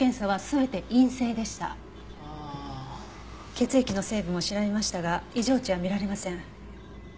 血液の成分も調べましたが異常値は見られません。